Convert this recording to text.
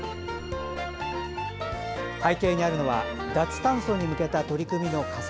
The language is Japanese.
背景にあるのは脱炭素に向けた取り組みの加速。